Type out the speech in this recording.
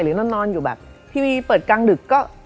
นอนอยู่แบบทีวีเปิดกลางดึกก็